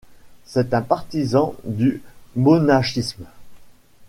C'est un partisan du monachisme.